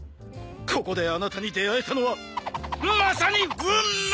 ここであなたに出会えたのはまさに運命！